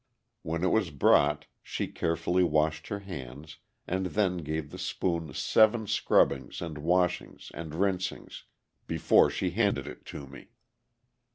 When it was brought, she carefully washed her hands and then gave the spoon seven scrubbings and washings and rinsings before she handed it to me.